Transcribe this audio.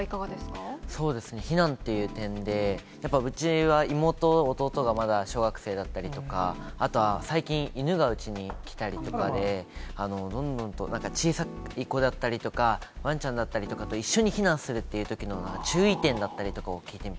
避難っていう点で、やっぱうちは妹、弟がまだ小学生だったりとか、あと最近、犬がうちに来たりとかで、どんどんとなんか小さい子だったりとか、わんちゃんだったりとかと一緒に避難するっていうときの注意点だ